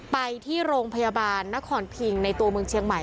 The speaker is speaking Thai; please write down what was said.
ไปที่โรงพยาบาลนครพิงในตัวเมืองเชียงใหม่